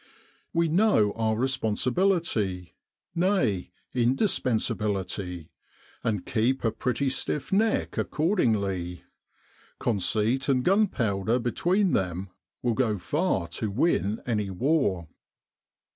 We know our responsibility, nay, indispensability ; and keep a pretty stiff neck accordingly. Conceit and gunpowder between them will go far to win any war.